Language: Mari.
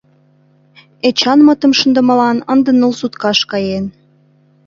Эчанмытым шындымылан ынде ныл суткаш каен.